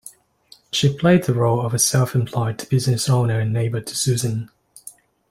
She played the role of a self-employed business owner and neighbor to Susan.